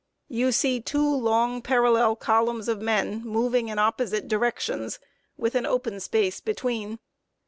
You see two long parallel columns of men moving in opposite directions, with an open space between.